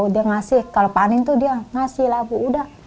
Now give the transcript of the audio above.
dia ngasih kalau panin tuh dia ngasih labu udah